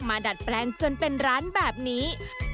ดัดแปลงจนเป็นร้านแบบนี้